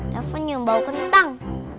dapetnya bau kentang